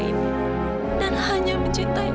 aku bilang duluewa sejak tua